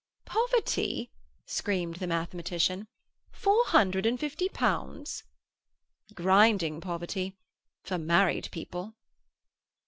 "Poverty!" screamed the mathematician. "Four hundred and fifty pounds!" "Grinding poverty—for married people."